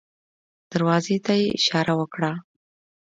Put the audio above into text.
دروازې ته يې اشاره وکړه.